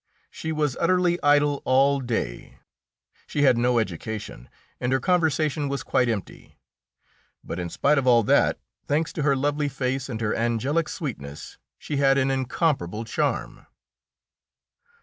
She was utterly idle all day, she had no education, and her conversation was quite empty. But in spite of all that, thanks to her lovely face and her angelic sweetness, she had an incomparable charm.